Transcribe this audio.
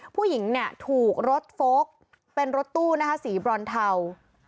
ผู้หญิงเนี่ยถูกรถโฟลกเป็นรถตู้นะคะสีบรอนเทา